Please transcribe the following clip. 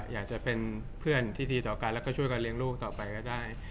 อยากจะเป็นเพื่อนที่ดีต่อกันแล้วก็ช่วยกันเลี้ยงลูกต่อไปก็ได้